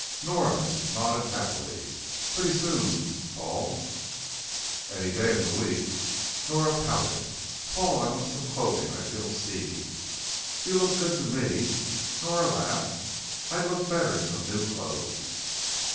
Nora nodded happily. "Pretty soon, Paul?" "Any day in the week." Nora pouted. "Paul, I want some clothing. I feel seedy." "You look good to me." Nora laughed. "I'll look better in some new clothes."